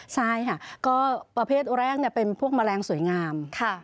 ใช่ค่ะก็ประเภทแรกเป็นพวกแมลงสวยงาม